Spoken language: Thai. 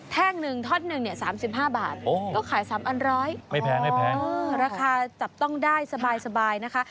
แท่งหนึ่งทอดหนึ่งเนี่ย๓๕บาทก็ขาย๓อันร้อยราคาจับต้องได้สบายนะคะ